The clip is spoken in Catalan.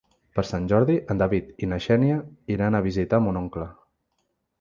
Per Sant Jordi en David i na Xènia iran a visitar mon oncle.